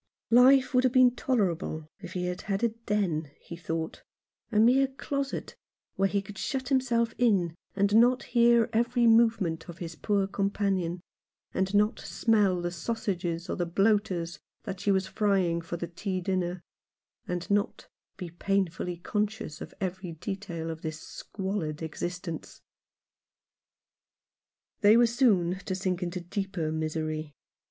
Life would have 46 Alone in London. been tolerable if he had had a den, he thought, a mere closet, where he could shut himself in, and not hear every movement of his poor companion, and not smell the sausages or the bloaters that she was frying for the tea dinner, and not be painfully conscious of every detail of this squalid existence. They were soon to sink into a deeper misery.